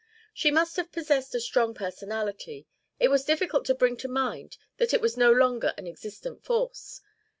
She must have possessed a strong personality. It was difficult to bring to mind that it was no longer an existent force.